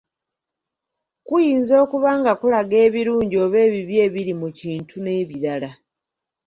Kuyinza okuba nga kulaga ebirungi oba ebibi ebiri mu kintu n’ebirala.